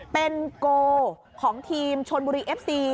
เป็นโกของทีมชนบุรีเอฟซี